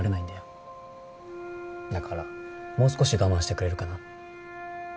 だからもう少し我慢してくれるかな？